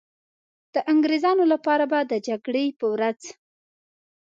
د انګریزانو لپاره به د جګړې په ورځ.